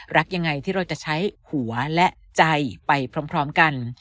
รักยังไงที่เราจะใช้หัวและใจไปพร้อมกัน